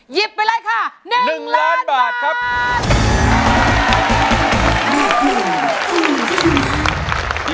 ญิบไปเลยค่ะ๑ล้านบาท